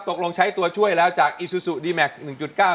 ตกลงใช้ตัวช่วยแล้วจากอีซูซูดีแม็กซ์หนึ่งจุดเก้า